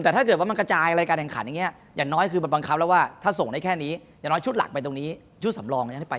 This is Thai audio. แต่ถ้าเกิดว่ามันกระจายรายการแห่งขันอย่างนี้อย่างน้อยคือมันบังคับแล้วว่าถ้าส่งได้แค่นี้อย่างน้อยชุดหลักไปตรงนี้ชุดสำรองที่ไป